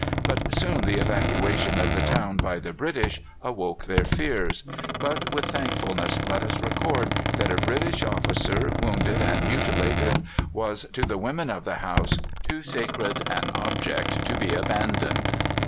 But soon the evacuation of the town by the British awoke their fears; but with thankfulness let us record that a British officer, wounded and mutilated, was to the women of the house too sacred an object to be abandoned.